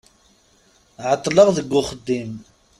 Ɛeṭṭleɣ deg uxeddim.